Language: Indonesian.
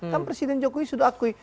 kan presiden jokowi sudah akui